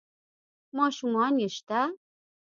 ـ ماشومان يې شته؟